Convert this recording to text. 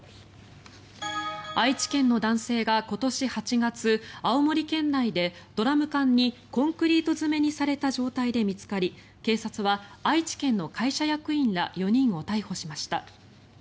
愛知県の男性が今年８月青森県内でドラム缶にコンクリート詰めにされた状態で見つかり警察は愛知県の会社役員ら４人を逮捕しました。